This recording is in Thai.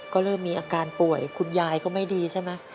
ก็เริ่มมีอาการป่วยคุณยายก็ไม่ดีใช่ไหม